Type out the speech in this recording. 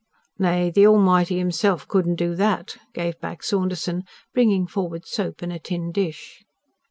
"Nay, the Almighty Himself couldn't do that," gave back Saunderson, bringing forward soap and a tin dish.